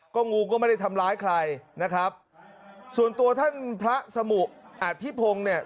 ก็งูก็ไม่ได้ทำร้ายใครนะครับส่วนตัวท่านพระสมุอธิพงศ์เนี่ย